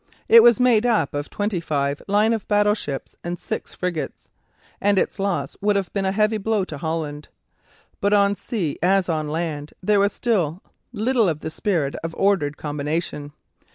It was made up of twenty five line of battle ships and six frigates, and its loss would have been a heavy blow to Holland. But on sea as on land there was still little of the spirit of ordered combination.